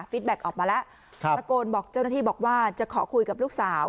แก๊กออกมาแล้วตะโกนบอกเจ้าหน้าที่บอกว่าจะขอคุยกับลูกสาว